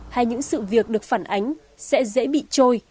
hay những sự việc được phản ánh sẽ dễ bị trôi